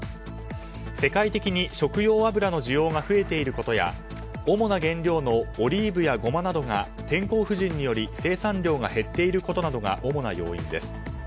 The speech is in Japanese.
世界的に食用油の需要が増えていることや主な原料のオリーブやゴマなどが天候不順により生産量が減っていることなどが主な要因です。